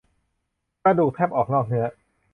กระดูกแทบออกนอกเนื้อ